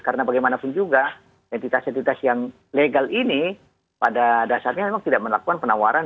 karena bagaimanapun juga identitas identitas yang legal ini pada dasarnya memang tidak melakukan penawaran